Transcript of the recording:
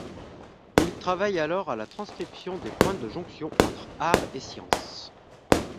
Il travaille alors à la transcription des points de jonction entre art et science.